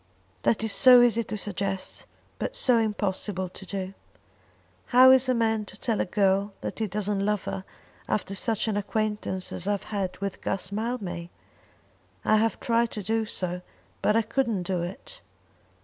"That is so easy to suggest, but so impossible to do. How is a man to tell a girl that he doesn't love her after such an acquaintance as I have had with Guss Mildmay? I have tried to do so, but I couldn't do it.